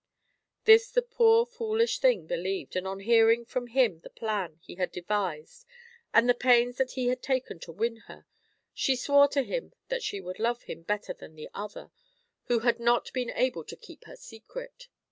This the poor foolish thing believed, and on hearing from him the plan that he had devised and the pains that he had taken to win her, she swore to him that she would love him better than the other, who had not been able to keep her secret.